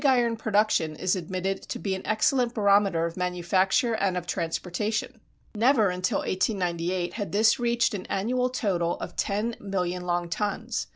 Pig iron production is admitted to be an excellent barometer of manufacture and of transportation. Never until 1898 had this reached an annual total of ten million long tons.